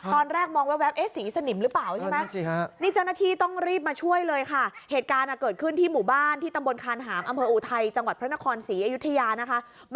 ตอนแรกมองแว๊บสีสนิมหรือเปล่าใช่ไหม